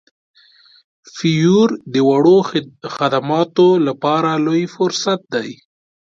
فیور د وړو خدماتو لپاره لوی فرصت دی.